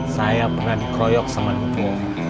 saya pernah dikroyok sama ibu